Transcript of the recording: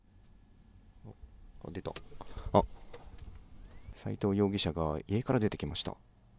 あっ、斎藤容疑者が家から出てきました。